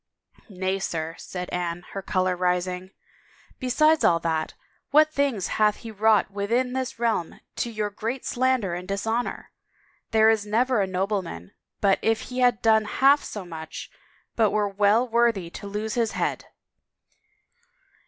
" Nay, sir," said Anne, her color rising, " besides all that, what things hath he wrought within this realm to your great slander and dishonor! There is never a nobleman but if he had done half so much but were well worthy to lose his head!